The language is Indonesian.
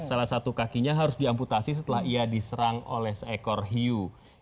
salah satu kakinya harus diamputasi setelah ia diserang oleh seekor hiu